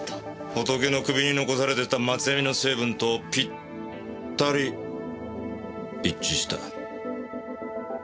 ホトケの首に残されてた松ヤニの成分とぴったり一致した。